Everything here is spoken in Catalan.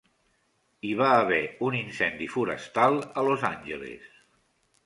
Hi va haver un incendi forestal a Los Angeles.